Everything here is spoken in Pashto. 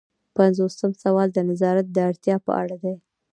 پنځوسم سوال د نظارت د اړتیا په اړه دی.